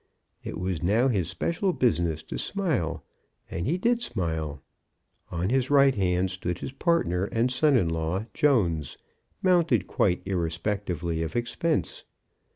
It was now his special business to smile, and he did smile. On his right hand stood his partner and son in law Jones, mounted quite irrespectively of expense.